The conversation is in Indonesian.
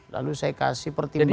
lalu saya kasih pertimbangan